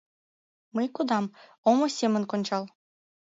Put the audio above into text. Мый кодам, омо семын кончал